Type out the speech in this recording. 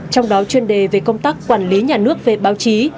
trong đó chuyên đề về công tác quản lý nhà nước về báo chí